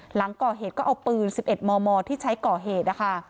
หลังก่อเหตุก็เอาปืน๑๑มมที่ใช้ก่อเหตุนะคะ